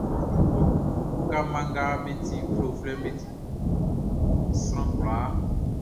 Uwka mma nga be ti uflɛuflɛʼn, be ti kpa man sran kwlaa.